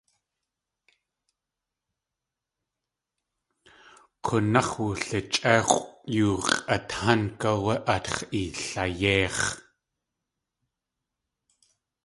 K̲únáx̲ wulichʼéx̲ʼw yoo x̲ʼatánk áwé átx̲ ilayéix̲.